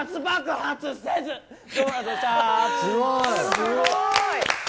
すごい！